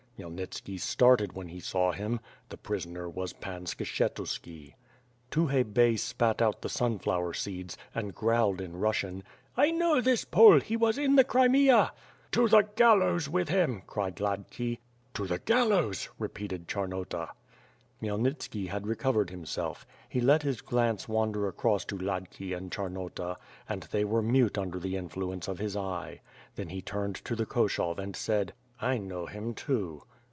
Khmyelnitski started when he saw him. The prisoner was Pan Skshetuski. Tukhay Bey spat out the sunflower seeds, and growled in Bussian: WITH FIRE AND SWORD. 139 *T know this Pole: he was in the Crimea/' "To the gallows with him!" cried Hladki. "To the gallows!" repeated Charnota. Khmyelnitski had recovered himself. He let his glance wander across to Hladki and Chaniota, and they were mute under the influence of his eye. Then he turned to the Koshov and said: "I know him, too."